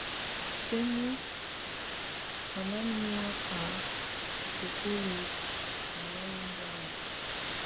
Sǝ́ni á ná nɔ́áka isukulu ná yayɛ̀á ɛŋgɔ̀áyɛ.